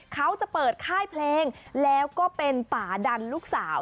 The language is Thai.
เขาจะเปิดค่ายเพลงแล้วก็เป็นป่าดันลูกสาว